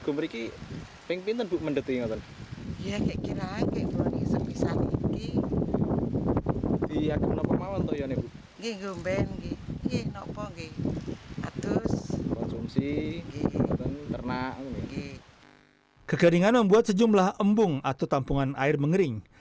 kekeringan membuat sejumlah embung atau tampungan air mengering